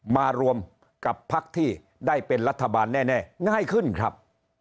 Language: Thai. มารวมกับพักที่ได้เป็นรัฐบาลแน่ง่ายขึ้นครับ